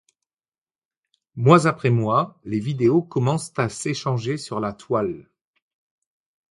Mois après mois, les vidéos commencent à s'échanger sur la Toile.